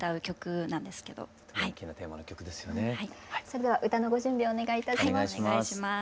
それでは歌のご準備お願いいたします。